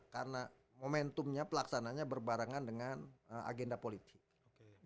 karena momentumnya pelaksananya berbarangan dengan agenda politik